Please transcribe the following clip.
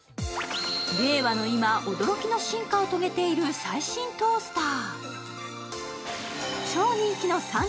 令和の今、驚きの進化を遂げている最新トースター。